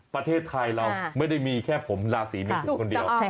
ประเทศไทยเราไม่ได้มีแค่ผมราศีเมทุนคนเดียว